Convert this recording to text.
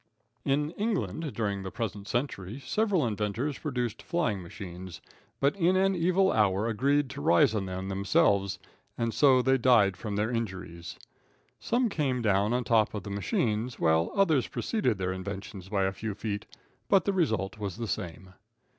In England, during the present century, several inventors produced flying machines, but in an evil hour agreed to rise on them themselves, and so they died from their injuries. Some came down on top of the machines, while others preceded their inventions by a few feet, but the result was the same.